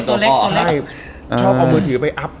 ชอบเอามือถือไปอัพ